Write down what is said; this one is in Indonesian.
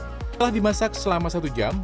setelah dimasak selama satu jam